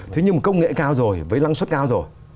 thế nhưng mà công nghệ cao rồi với lăng suất cao rồi